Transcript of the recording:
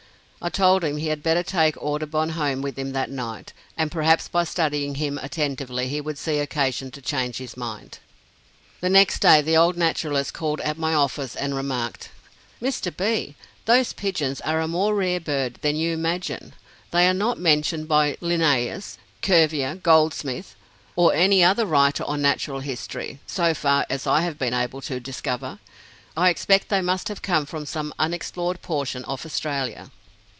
I told him he had better take Audubon home with him that night, and perhaps by studying him attentively he would see occasion to change his mind. The next day, the old naturalist called at my office and remarked: "Mr. B., those pigeons are a more rare bird than you imagine. They are not mentioned by Linnæus, Cuvier, Goldsmith, or any other writer on Natural History, so far as I have been able to discover. I expect they must have come from some unexplored portion of Australia."